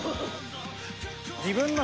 自分の。